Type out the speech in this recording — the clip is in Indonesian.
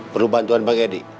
perlu bantuan bang eddy